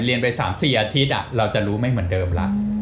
ไป๓๔อาทิตย์เราจะรู้ไม่เหมือนเดิมแล้ว